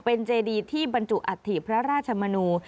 เป็นเจดีที่บรรจุอัฐิพระราชมนู